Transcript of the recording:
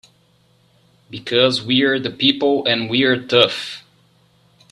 Because we're the people and we're tough!